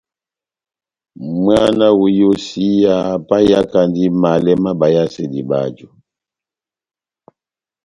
Mwána wa iyósiya apahiyakandi malɛ má bayasedi báju.